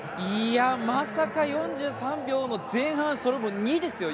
まさか４３秒の前半それも２ですよ。